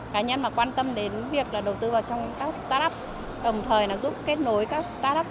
cá nhân mà quan tâm đến việc đầu tư vào trong các start up đồng thời là giúp kết nối các start up